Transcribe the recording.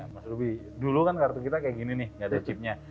mas ruby dulu kan kartu kita kayak gini nih gak ada chipnya